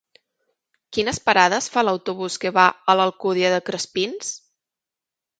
Quines parades fa l'autobús que va a l'Alcúdia de Crespins?